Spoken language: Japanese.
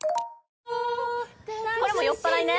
これも酔っ払いね。